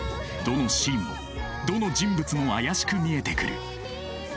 どのシーンもどの人物も怪しく見えてくる。